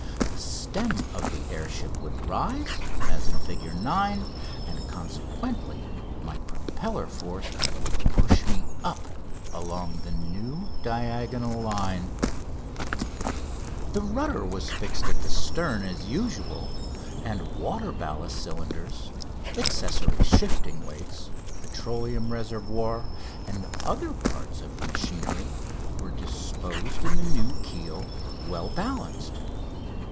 The stem of the air ship would rise (as in Fig. 9), and, consequently, my propeller force would push me up along the new diagonal line. [Illustration: Fig. 8] The rudder was fixed at the stern as usual, and water ballast cylinders, accessory shifting weights, petroleum reservoir, and the other parts of the machinery, were disposed in the new keel, well balanced.